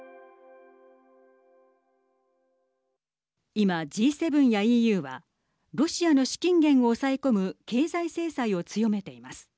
今、Ｇ７やＥＵはロシアの資金源を抑え込む経済制裁を強めています。